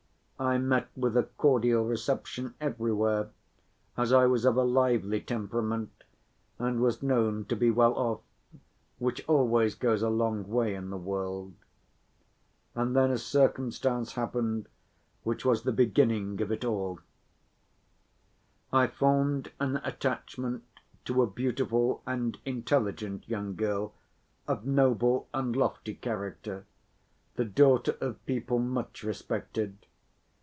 I met with a cordial reception everywhere, as I was of a lively temperament and was known to be well off, which always goes a long way in the world. And then a circumstance happened which was the beginning of it all. I formed an attachment to a beautiful and intelligent young girl of noble and lofty character, the daughter of people much respected.